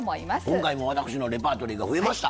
今回も私のレパートリーが増えました。